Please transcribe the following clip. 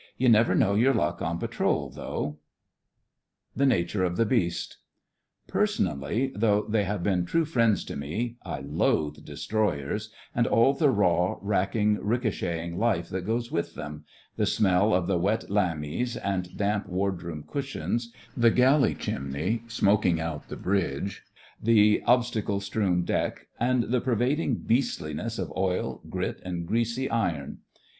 You never know your luck on patrol, though." THE FRINGES OF THE FLEET 109 THE NATURE OF THE BEAST Personally, though they have been true friends to me, I loathe destroyers, and all the raw, racking, ricochet ting life that goes with them — the smell of the wet "lammies" and damp wardroom cushions; the galley chimney smoking out the bridge; the obstacle strewn deck; and the per vading beastliness of oil, grit, and greasy iron.